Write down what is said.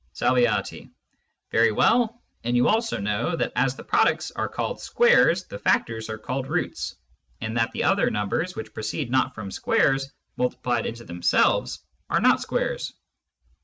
" Sah. Very well ; And you also know, that as the Products are call'd Squares, the Factors are call'd Roots : And that the other Numbers, which proceed not from Numbers multiplied into themselves, are not Squares.